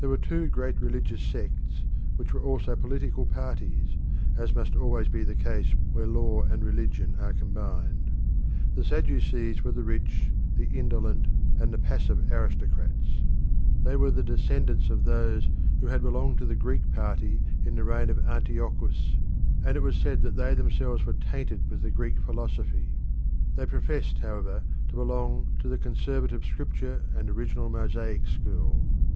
There were two great religious sects which were also political parties, as must always be the case where law and religion are combined. The Sadducees were the rich, the indolent, and the passive aristocrats; they were the descendants of those who had belonged to the Greek party in the reign of Antiochus, and it was said that they themselves were tainted with the Greek philosophy. They professed, however, to belong to the conservative Scripture and original Mosaic school.